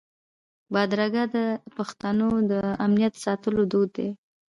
بدرګه د پښتنو د امنیت ساتلو دود دی.